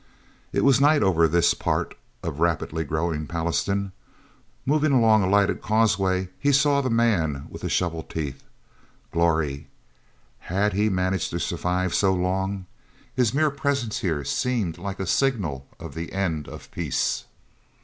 It was night over this part of rapidly growing Pallastown. Moving along a lighted causeway, he saw the man with the shovel teeth. Glory, had he managed to survive so long? His mere presence, here, seemed like a signal of the end of peace.